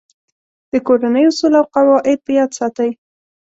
د کورنۍ اصول او قواعد په یاد ساتئ.